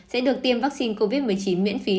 sẽ được tiêm vaccine covid một mươi chín miễn phí